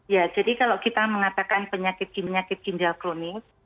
ya jadi kalau kita mengatakan penyakit ginjal kronis